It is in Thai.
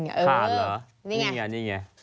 คาดเหรอนี่ไงเออเออนี่ไง